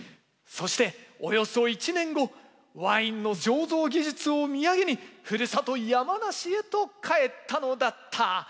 そしておよそ１年後ワインの醸造技術を土産にふるさと山梨へと帰ったのだった。